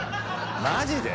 マジで？